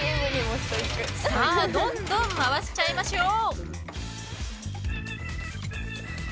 どんどん回しちゃいましょう。